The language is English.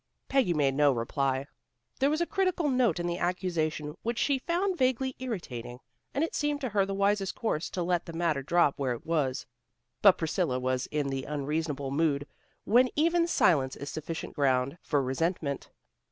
Peggy made no reply. There was a critical note in the accusation which she found vaguely irritating, and it seemed to her the wisest course to let the matter drop where it was. But Priscilla was in the unreasonable mood when even silence is sufficient ground for resentment.